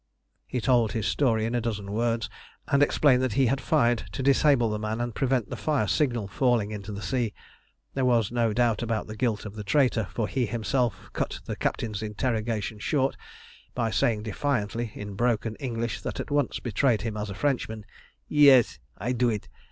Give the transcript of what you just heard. He told his story in a dozen words, and explained that he had fired to disable the man and prevent the fire signal falling into the sea. There was no doubt about the guilt of the traitor, for he himself cut the captain's interrogation short by saying defiantly, in broken English that at once betrayed him as a Frenchman "Yees, I do it!